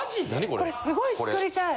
これすごい作りたい。